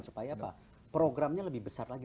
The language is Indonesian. supaya apa programnya lebih besar lagi